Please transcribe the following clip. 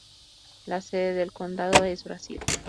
La sede del condado es Brazil.